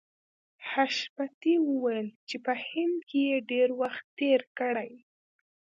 حشمتي وویل چې په هند کې یې ډېر وخت تېر کړی